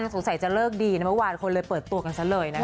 สงสัยจะเลิกดีนะเมื่อวานคนเลยเปิดตัวกันซะเลยนะคะ